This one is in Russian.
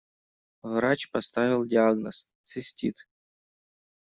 Врач поставил диагноз «цистит».